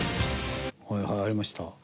はいはいありました。